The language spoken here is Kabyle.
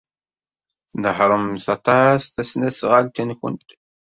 Tnehhṛemt aṭas tasnasɣalt-nwent?